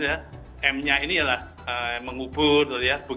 plusnya ini lah yang mungkin perlu juga digerakan pak